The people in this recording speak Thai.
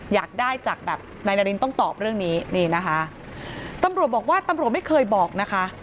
อยากได้จากแบบนายนารินต้องตอบเรื่องนี้นี่นะคะตำรวจบอกว่าตำรวจไม่เคยบอกนะคะ